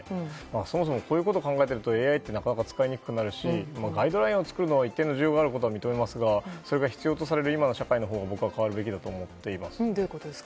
そもそも、こういうことを考えていると、ＡＩってなかなか使いにくくなるしガイドラインを作るのは一定の需要があることは認めますがそれが必要とされる今の社会のほうが変わるべきだと、僕はどういうことですか？